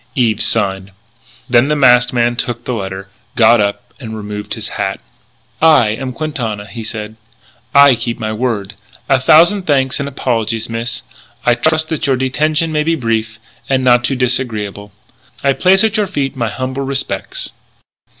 Eve signed. Then the masked man took the letter, got up, removed his hat. "I am Quintana," he said. "I keep my word. A thousand thanks and apologies, miss. I trust that your detention may be brief and not too disagreeable. I place at your feet my humble respects."